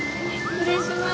失礼します。